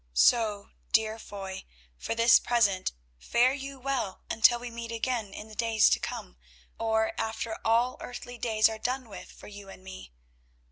So, dear Foy, for this present fare you well until we meet again in the days to come, or after all earthly days are done with for you and me.